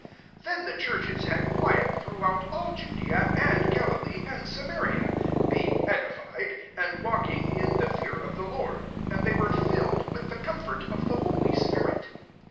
31 Then the churches had quiet throughout all Judea and Gralilee and Samaria, being edi« fied, and walking in the fear of the Lord 5 and they were filled with the comfort of the holy spirit.